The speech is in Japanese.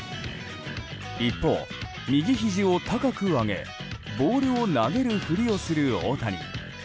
一方、右ひじを高く上げボールを投げるふりをする大谷。